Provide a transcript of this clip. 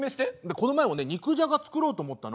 この前もね肉じゃが作ろうと思ったの。